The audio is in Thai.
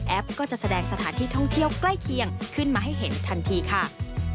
ก็จะแสดงสถานที่ท่องเที่ยวใกล้เคียงขึ้นมาให้เห็นทันทีค่ะ